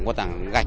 một tảng gạch